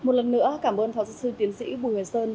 một lần nữa cảm ơn thọ sư tiến sĩ bùi huyền sơn